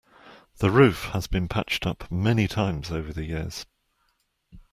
The roof has been patched up many times over the years.